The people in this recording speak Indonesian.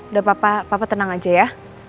udah papa papa tenang aja ya